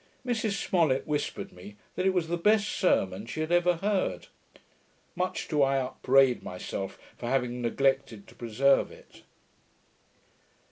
Mrs Smollet whispered me, that it was the best sermon she had ever heard. Much do I upbraid myself for having neglected to preserve it.